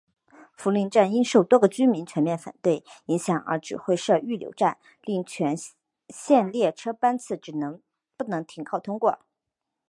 福邻站因受多个居民全面反对影响而只会设预留站令全线列车班次只能不停靠通过。